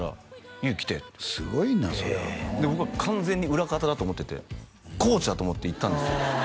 「ＹＯＵ来て」ってすごいなそれはなで僕は完全に裏方だと思っててコーチだと思って行ったんですよ